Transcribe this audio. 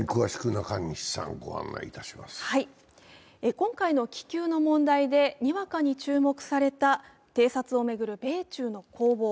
今回の気球の問題でにわかに注目された偵察を巡る米中の攻防。